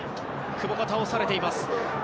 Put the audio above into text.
久保が倒されています。